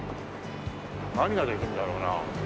何ができるんだろうな？